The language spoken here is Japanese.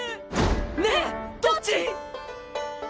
ねえどっち！？